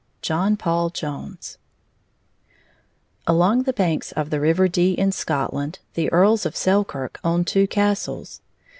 JOHN PAUL JONES Along the banks of the River Dee, in Scotland, the Earls of Selkirk owned two castles.